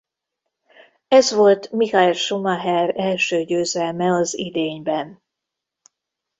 Ez volt Michael Schumacher első győzelme az idényben.